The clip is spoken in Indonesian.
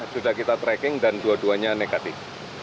sudah kita tracking dan dua duanya negatif